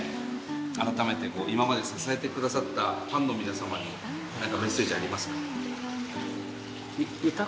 改めてこう今まで支えて下さったファンの皆様に何かメッセージはありますか？